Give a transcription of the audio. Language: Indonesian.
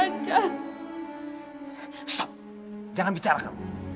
hentikan jangan bicara